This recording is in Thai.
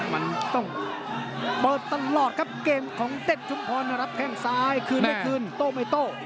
มันต้องเปิดตลอดครับเกมของเต้นชุมพรรับแข้งซ้ายคืนไม่คืนโต้ไม่โต้